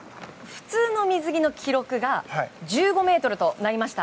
普通の水着の記録が１５ｍとなりました。